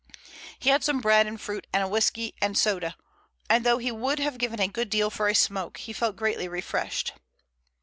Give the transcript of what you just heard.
He had some bread and fruit and a whisky and soda, and though he would have given a good deal for a smoke, he felt greatly refreshed.